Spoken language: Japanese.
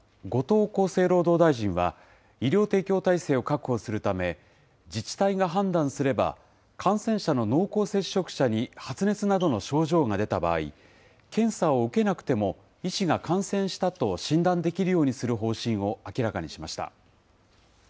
後藤厚生労働大臣は、医療提供体制を確保するため、自治体が判断すれば、感染者の濃厚接触者に発熱などの症状が出た場合、検査を受けなくても医師が感染したと診断できるようにする方針を明らかにしました。